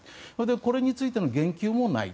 これについての言及もない。